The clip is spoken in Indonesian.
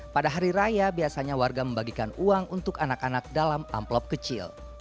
pada hari raya biasanya warga membagikan uang untuk anak anak dalam amplop kecil